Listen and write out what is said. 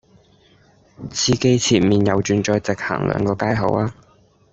司機前面右轉再直行兩個街口吖